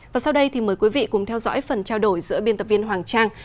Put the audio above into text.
và sau đây thì mời quý vị cùng theo dõi phần trao đổi giữa biên tập viên hoàng trang